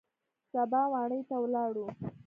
سبا واڼې ته ولاړو.